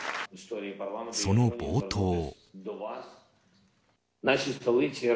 その冒頭。